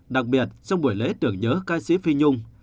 đặc biệt trong buổi lễ tưởng nhớ ca sĩ phi nhung